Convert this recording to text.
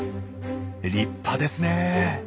立派ですねえ。